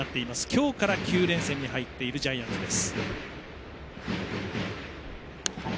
今日から９連戦に入っているジャイアンツです。